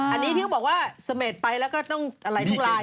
อันนี้ที่เขาบอกว่าเสม็ดไปแล้วก็ต้องอะไรทุกลาย